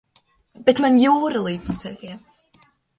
Bet man jūra līdz ceļiem.